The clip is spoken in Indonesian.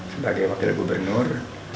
sebagai wakil gubernur